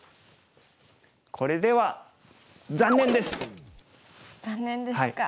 これでは残念ですか。